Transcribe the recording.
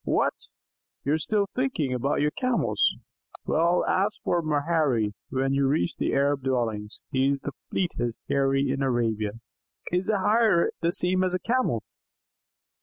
What? You are still thinking about your Camels? Well, ask for 'Maherry' when you reach the Arabs' dwellings. He is the fleetest Heirie in Arabia." "Is a 'Heirie' the same as a Camel?"